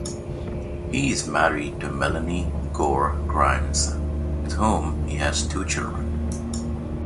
He is married to Melanie Gore-Grimes, with whom he has two children.